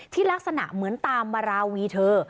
ลักษณะเหมือนตามมาราวีเธอ